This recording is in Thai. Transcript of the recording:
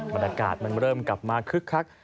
บรรยากาศมันเริ่มกลับมาคึกคัก